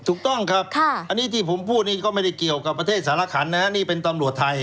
ถูกต้องครับอันนี้ที่ผมพูดนี่ก็ไม่ได้เกี่ยวกับประเทศสารขันนะนี่เป็นตำรวจไทย